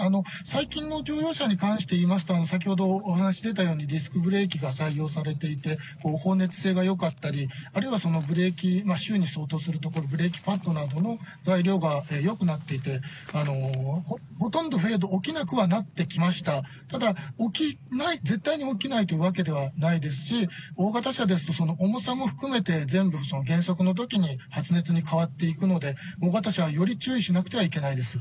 最近の乗用車に関して言いますと、先ほどお話出たように、ディスクブレーキが採用されていて、放熱性がよかったり、あるいはブレーキシューに相当するところ、ブレーキパッドなどの材料がよくなっていて、ほとんどフェード、起きなくはなってきました、ただ、絶対に起きないというわけではないですし、大型車ですと、重さも含めて全部減速のときに発熱に変わっていくので、大型車はより注意しなくてはいけないです。